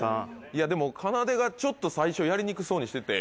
いやでもかなでがちょっと最初やりにくそうにしてて。